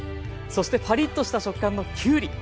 そしてパリッとした食感のきゅうり。